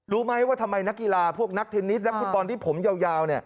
รู้ไหมว่าทำไมนักกีฬาพวกนักเทนนิสนักฟุตบอลที่ผมยาว